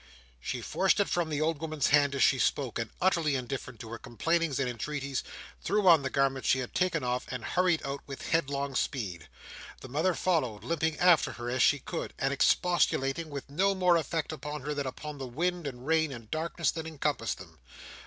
She forced it from the old woman's hand as she spoke, and utterly indifferent to her complainings and entreaties, threw on the garments she had taken off, and hurried out, with headlong speed. The mother followed, limping after her as she could, and expostulating with no more effect upon her than upon the wind and rain and darkness that encompassed them.